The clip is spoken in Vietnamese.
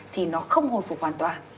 thì nó không hồi phục hoàn toàn